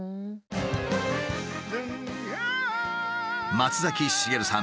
松崎しげるさん